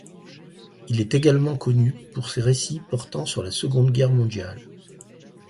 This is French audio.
Il est également connu pour ses récits portant sur la Seconde Guerre mondiale.